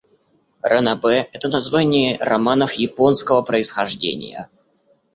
Ранобэ — это название романов японского происхождения.